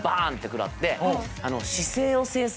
食らって。